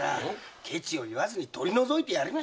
ケチを言わずに取り除いてやりましょうよ。